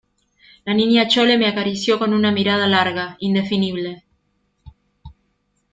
la Niña Chole me acarició con una mirada larga, indefinible.